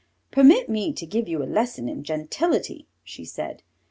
"Permit me to give you a lesson in gentility," she said.